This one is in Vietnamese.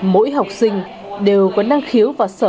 mỗi học sinh đều có năng khiếu của trung học phổ thông